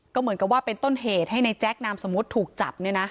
ก็เหมือนกับว่าเป็นต้นเหตุให้ในแจ๊คนามสมมุติถูกจับ